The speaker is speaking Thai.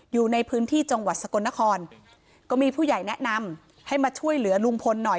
อยู่ในพื้นที่จังหวัดสกลนครก็มีผู้ใหญ่แนะนำให้มาช่วยเหลือลุงพลหน่อย